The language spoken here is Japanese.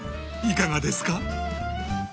いかがですか？